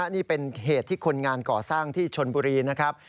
นี่เป็นเหตุที่คนงานก่อสร้างที่ชนบุรีนะครับ